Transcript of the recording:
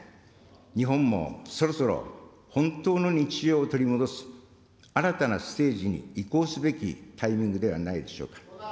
日本もそろそろ本当の日常を取り戻す新たなステージに移行すべきタイミングではないでしょうか。